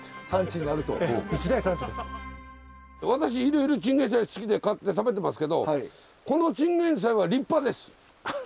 私いろいろチンゲンサイ好きで買って食べてますけどこのチンゲンサイは立派です！